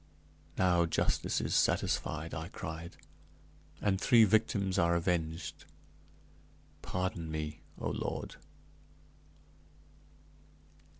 "Now justice is satisfied!" I cried, "and three victims are avenged. Pardon me, O Lord!"